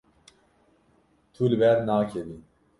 Tu li ber nakevî.